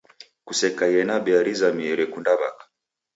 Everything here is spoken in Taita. Kusekaie na bea rizamie rekunda w'aka